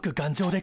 で